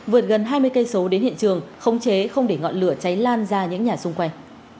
vượt gần hai mươi km đến hiện trường khống chế không để ngọn lửa cháy lan ra những nhà xung quanh